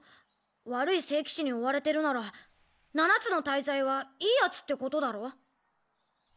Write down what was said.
悪い聖騎士に追われてるなら七つの大罪はいいヤツってことだろ？